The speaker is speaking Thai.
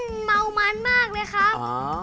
มันเมามันมากเลยครับ